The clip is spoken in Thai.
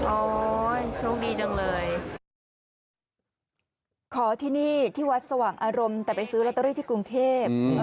โชคดีจังเลยขอที่นี่ที่วัดสว่างอารมณ์แต่ไปซื้อลอตเตอรี่ที่กรุงเทพ